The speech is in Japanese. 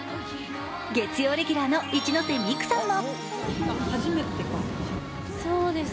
月曜レギュラーの一ノ瀬美空さんも。